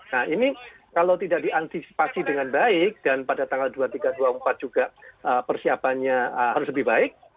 nah ini kalau tidak diantisipasi dengan baik dan pada tanggal dua puluh tiga dua puluh empat juga persiapannya harus lebih baik